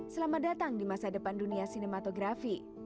selamat datang di masa depan dunia sinematografi